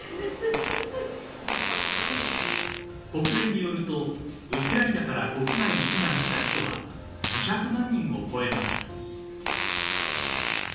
国連によるとウクライナから国外に避難した人は２００万人を超えました。